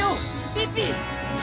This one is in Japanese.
ピピ！